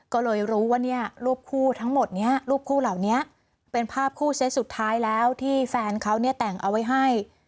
ก็เลยรู้ว่าเนี่ยรูปคู่ทั้งหมดนี้รูปคู่เหล่านี้เป็นภาพคู่เซตสุดท้ายแล้วที่แฟนเขาเนี่ยแต่งเอาไว้ให้